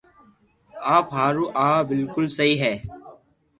آپ ھارو آ بلڪول سھھي ھي